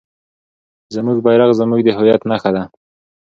زموږ بیرغ زموږ د هویت نښه ده.